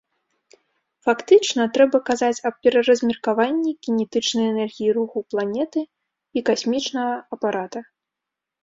Фактычна, трэба казаць аб пераразмеркаванні кінетычнай энергіі руху планеты і касмічнага апарата.